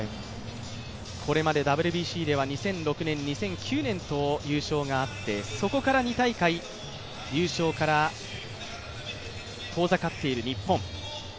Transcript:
これまでＷＢＣでは２００６年、２００９年と優勝があって、そこから２大会優勝から遠ざかっている日本。